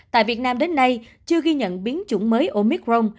tại việt nam đến nay chưa ghi nhận biến chủng mới omicron